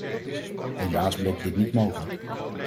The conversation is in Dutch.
Helaas bleek dit niet mogelijk.